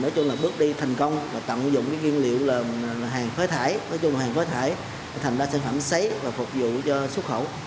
nói chung là hàng phới thải thành ra sản phẩm sấy và phục vụ cho xuất khẩu